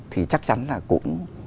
thì chắc chắn là cũng